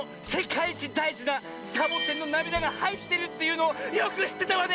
いちだいじなサボテンのなみだがはいってるっていうのをよくしってたわね！